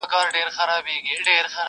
بیا به هم لمبه د شمعي له سر خېژي,